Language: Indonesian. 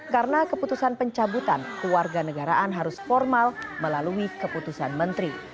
karena keputusan pencabutan kewarganegaraan harus formal melalui keputusan menteri